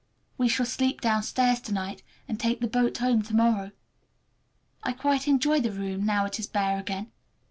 We shall sleep downstairs to night, and take the boat home to morrow. I quite enjoy the room, now it is bare again.